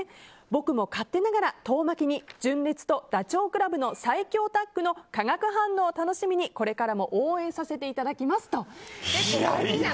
僕も勝手ながら遠巻きに純烈とダチョウ倶楽部の最強タッグの化学反応を楽しみにこれからも応援させていただきますと。